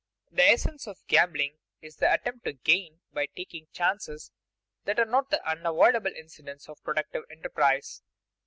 _The essence of gambling is the attempt to gain by taking chances that are not the unavoidable incidents of productive enterprise_.